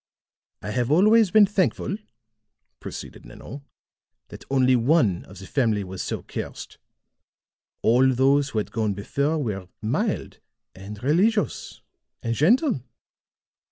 "I have always been thankful," proceeded Nanon, "that only one of the family was so cursed. All those who had gone before were mild and religious and gentle.